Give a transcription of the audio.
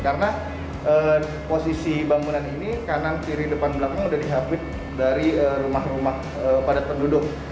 karena posisi bangunan ini kanan kiri depan belakang udah dihabit dari rumah rumah pada penduduk